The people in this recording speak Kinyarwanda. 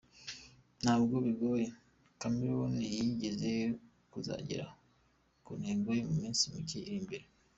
N’ubwo bigoye, Chameleone yizeye kuzagera ku ntego ye mu minsi mike iri imbere.